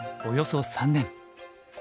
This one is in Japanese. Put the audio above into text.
およそ３年。